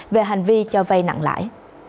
về hành vi cho vây nặng lãi